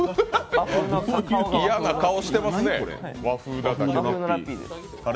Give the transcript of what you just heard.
嫌な顔してますね。